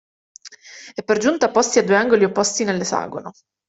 E per giunta posti a due angoli opposti dell'esagono…